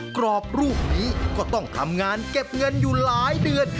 กรอบรูปนี้ก็ต้องทำงานเก็บเงินอยู่หลายเดือน